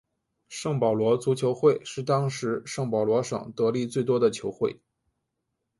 圣保罗足球会是当时圣保罗省得利最多的球会。